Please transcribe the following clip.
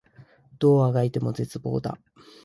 どう足掻いても絶望だ